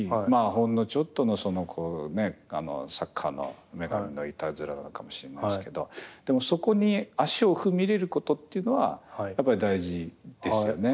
ほんのちょっとのサッカーの女神のいたずらなのかもしれないですけどそこに足を踏み入れることっていうのはやっぱり大事ですよね。